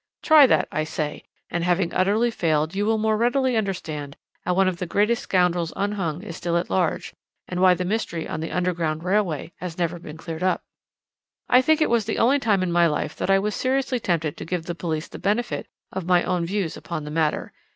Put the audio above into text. "Try that, I say, and having utterly failed you will more readily understand how one of the greatest scoundrels unhung is still at large, and why the mystery on the Underground Railway was never cleared up. "I think it was the only time in my life that I was seriously tempted to give the police the benefit of my own views upon the matter.